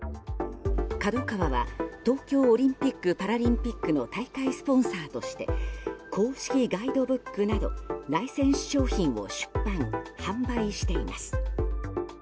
ＫＡＤＯＫＡＷＡは東京オリンピック・パラリンピックの大会スポンサーとして公式ガイドブックなどライセンス商品を出版・販売しています。